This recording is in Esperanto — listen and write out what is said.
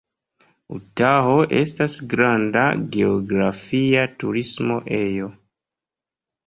Utaho estas granda geografia turismo ejo.